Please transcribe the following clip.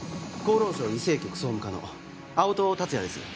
労省医政局総務課の青戸達也です